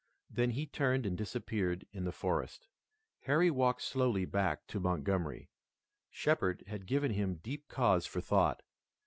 Then he turned and disappeared in the forest. Harry walked slowly back to Montgomery. Shepard had given him deep cause for thought.